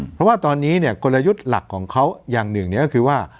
เพราะว่าตอนนี้เนี่ยกลยุทธ์หลักของเขาอย่างหนึ่งก็คือว่า